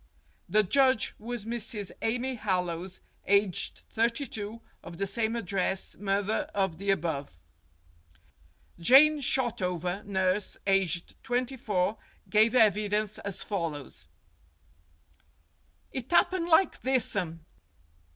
The judge was Mrs. Amy Hallowes, aged thirty two, of the same address, mother of the above. Jane Shotover, nurse, aged twenty four, gave evi dence as follows : "It 'appened like thissum.